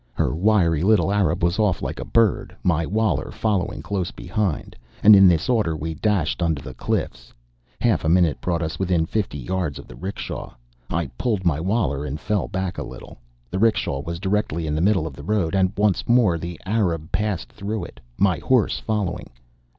Her wiry little Arab was off like a bird, my Waler following close behind, and in this order we dashed under the cliffs. Half a minute brought us within fifty yards of the 'rickshaw. I pulled my Waler and fell back a little. The 'rickshaw was directly in the middle of the road; and once more the Arab passed through it, my horse following.